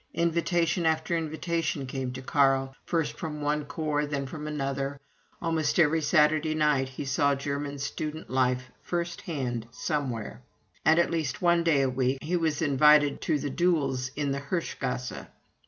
Invitation after invitation came to Carl, first from one corps, then from another; almost every Saturday night he saw German student life first hand somewhere, and at least one day a week he was invited to the duels in the Hirsch Gasse.